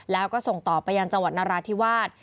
แล้วก็ส่งต่อไปยังจังหวัดนราธิวาส